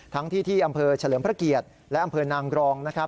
ทั้งที่ะเภอเฉลิมพระเกียรติและอำเภอนางกรอง